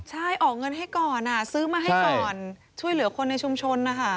ใช่ออกเงินให้ก่อนซื้อมาให้ก่อนช่วยเหลือคนในชุมชนนะคะ